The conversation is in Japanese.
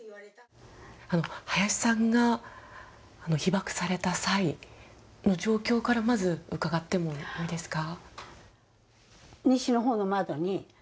早志さんが被爆された際の状況からまず、伺ってもいいですか。